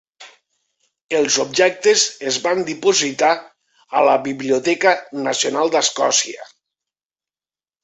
Els objectes es van dipositar a la Biblioteca Nacional d'Escòcia.